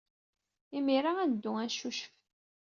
Imir-a ad neddu ad neccucef.